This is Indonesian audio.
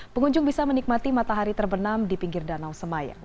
pengunjung bisa menikmati matahari terbenam di pinggir danau semayang